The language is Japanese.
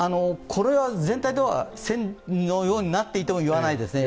これは、全体が線のようになっていても言わないですね。